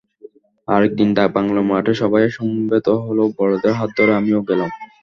আরেক দিন ডাকবাংলোর মাঠে সবাই সমবেত হলো, বড়দের হাত ধরে আমিও গেলাম।